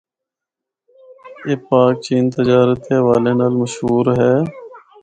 اے پاک چین تجارت دے حوالے نال مشہور ہے۔